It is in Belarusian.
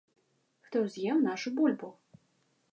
Хто з'еў нашу бульбу?